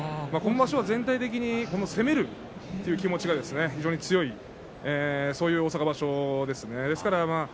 今場所は全体的に攻めるという気持ちが非常に強いそういう大阪場所ですね。